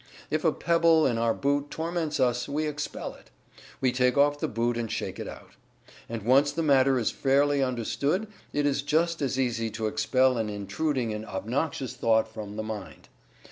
If a pebble in our boot torments us, we expel it. We take off the boot and shake it out. And once the matter is fairly understood it is just as easy to expel an intruding and obnoxious thought from the mind.